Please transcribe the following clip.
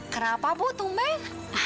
kenapa bu tumeng